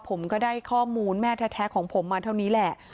ผมก็ได้ข้อมูลแม่แท้ของผมมาเท่านี้แหละ